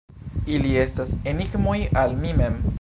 Ili estas enigmoj al mi mem.